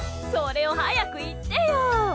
それを早く言ってよ！